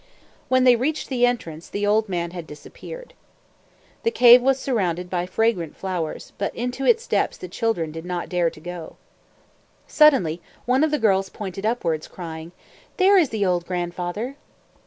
When they reached the entrance, the old man had disappeared. The cave was surrounded by fragrant flowers; but into its depths the children did not dare to go. Suddenly one of the girls pointed upwards, crying, "There is the old grandfather!"